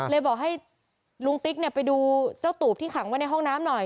บอกให้ลุงติ๊กไปดูเจ้าตูบที่ขังไว้ในห้องน้ำหน่อย